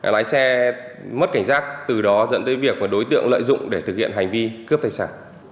lái xe mất cảnh giác từ đó dẫn tới việc đối tượng lợi dụng để thực hiện hành vi cướp tài sản